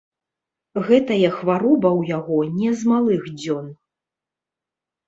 Гэтая хвароба ў яго не з малых дзён.